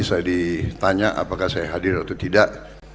saya ditanya apakah saya hadir atau tidak